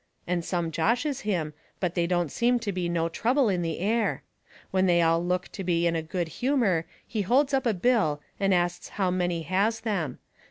And some joshes him, but they don't seem to be no trouble in the air. When they all look to be in a good humour he holds up a bill and asts how many has them.